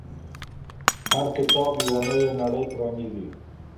هر کتاب یوه نوې نړۍ پرانیزي.